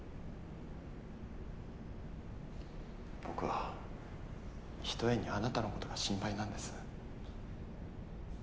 僕はひとえにあなたのことが心配なんです。